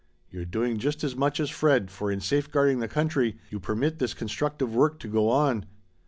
You're doing just as much as Fred, for in safeguarding the country you permit this constructive work to go on.